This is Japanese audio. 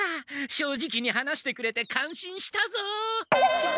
正直に話してくれて感心したぞ！